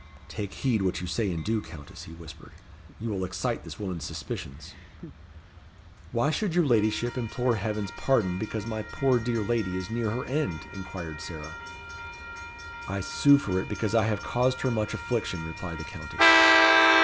"Take heed what you say and do, Countess," he whispered. "You will excite this woman's suspicions." "Why should your ladyship implore Heaven's pardon because my poor dear lady is near her end?" inquired Sarah. "I sue for it because I have caused her much affliction," replied the Countess.